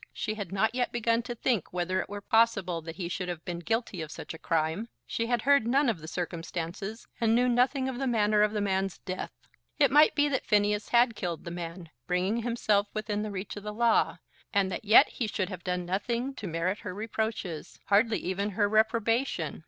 She had not yet begun to think whether it were possible that he should have been guilty of such a crime. She had heard none of the circumstances, and knew nothing of the manner of the man's death. It might be that Phineas had killed the man, bringing himself within the reach of the law, and that yet he should have done nothing to merit her reproaches; hardly even her reprobation!